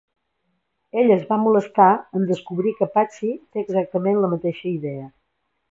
Ella es va molestar en descobrir que Patsy té exactament la mateixa idea.